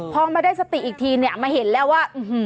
พอมาได้สติอีกทีเนี่ยมาเห็นแล้วว่า